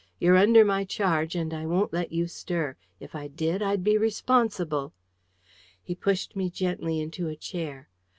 You're under my charge, and I won't let you stir. If I did, I'd be responsible." He pushed me gently into a chair.